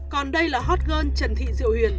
còn đây là hot girl trần thị diệu huyền